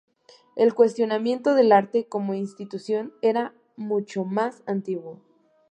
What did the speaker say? El cuestionamiento del arte como institución era mucho más antiguo.